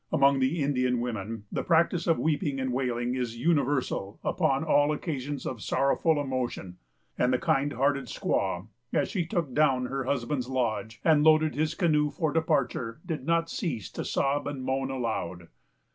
Among the Indian women, the practice of weeping and wailing is universal upon all occasions of sorrowful emotion; and the kind hearted squaw, as she took down her husband's lodge, and loaded his canoe for departure, did not cease to sob and moan aloud.